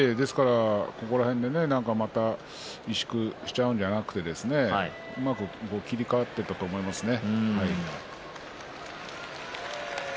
ここで萎縮してしまうんじゃなくてねうまく切り替わっていったと思いますね。